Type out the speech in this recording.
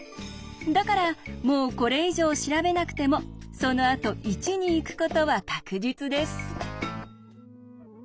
だからもうこれ以上調べなくてもそのあと１に行くことは確実です。